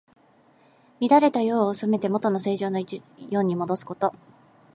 乱れた世を治めて、もとの正常な世にもどすこと。